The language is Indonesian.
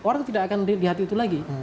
orang tidak akan lihat itu lagi